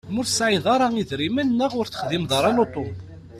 Ma ur tesɛiḍ ara idrimen neɣ ur texdimeḍ ara lutu.